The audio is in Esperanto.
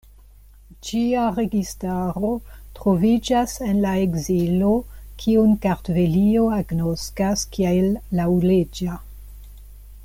Ĝia registaro troviĝas en la ekzilo kiun Kartvelio agnoskas kiel laŭleĝa.